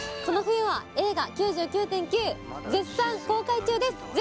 この冬は映画「９９．９」絶賛公開中です